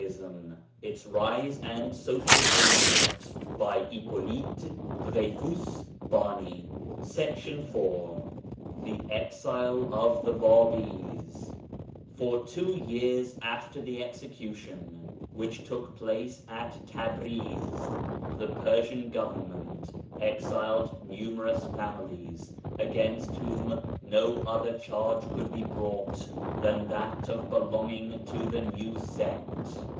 On the different kinds of Prophets, cp. Some Answtnd Quesfroxs, p. 188. THE EXILE OF THE BABIS For two years after the execution, which took place at Tabriz, the Persian govern ment exiled numerous families, against whom no other charge could be brought than that of belonging to the new sect.